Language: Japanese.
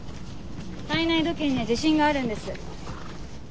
体内時計には自信があるんです。